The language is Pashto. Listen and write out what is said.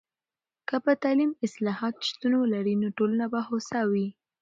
که په تعلیم کې اصلاحات شتون ولري، نو ټولنه به هوسا وي.